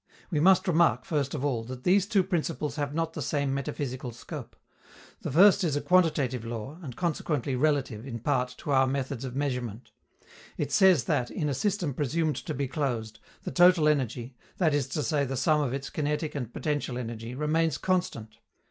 We must remark, first of all, that these two principles have not the same metaphysical scope. The first is a quantitative law, and consequently relative, in part, to our methods of measurement. It says that, in a system presumed to be closed, the total energy, that is to say the sum of its kinetic and potential energy, remains constant.